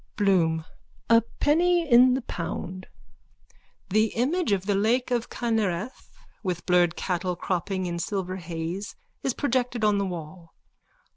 BLOOM: A penny in the pound. _(The image of the lake of Kinnereth with blurred cattle cropping in silver haze is projected on the wall.